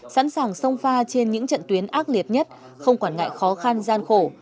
sẵn sàng sông pha trên những trận tuyến ác liệt nhất không quản ngại khó khăn gian khổ